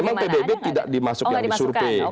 memang pbb tidak dimasukkan di survei